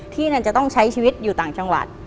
ที่นั่นจะต้องใช้ชีวิตอยู่ต่างจังหวัด